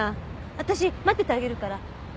私待っててあげるから。